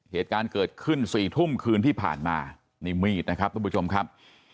เหตุการณ์เกิดขึ้นสี่ทุ่มคืนที่ผ่านมานี่มีดนะครับทุกผู้ชมครับ